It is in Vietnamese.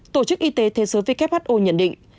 tổ chức y tế thế giới who nhận định